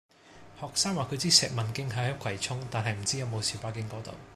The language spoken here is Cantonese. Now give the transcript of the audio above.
學生話佢知石文徑係喺葵涌，但係唔知有冇小巴經嗰度